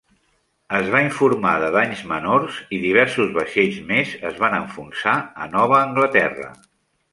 Es va informar de danys menors i diversos vaixells més es van enfonsar a Nova Anglaterra.